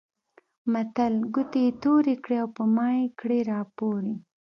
متل؛ ګوتې يې تورې کړې او په مايې کړې راپورې.